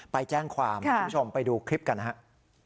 ไปแจ้งความคุณผู้ชมไปดูคลิปกันนะครับ